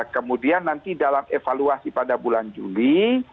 kemudian nanti dalam evaluasi pada bulan juli